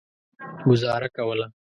ګوزاره کوله.